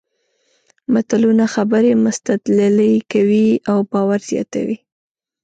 متلونه خبرې مستدللې کوي او باور زیاتوي